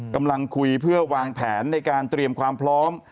กำลังคุยเพื่อวางแผนในการเตรียมความพร้อม